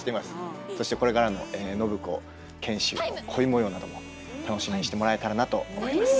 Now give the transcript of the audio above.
そしてこれからの暢子賢秀の恋模様なども楽しみにしてもらえたらなと思います。